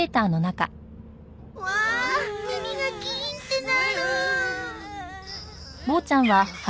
わあ耳がキーンってなる！